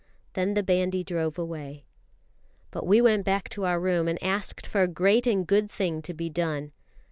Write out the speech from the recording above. Then the bandy drove away. But we went back to our room and asked for a great and good thing to be done.